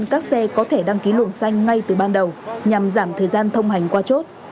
các xe có thể đăng ký luồng xanh ngay từ ban đầu nhằm giảm thời gian thông hành qua chốt